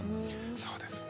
そうですね。